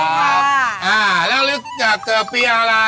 อ้าแล้วอีกตั้งต่อปีอะไร